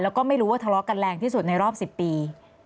แล้วก็ไม่รู้ว่าทะเลาะกันแรงที่สุดในรอบ๑๐ปี